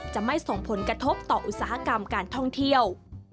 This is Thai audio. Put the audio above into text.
จะไม่ส่งผลกระทบต่ออุตสาหกรรมการท่องเที่ยว